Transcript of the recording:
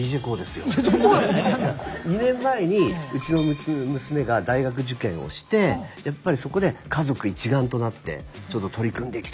２年前にうちの娘が大学受験をしてやっぱりそこで家族一丸となって取り組んできたっていうのがあるんで。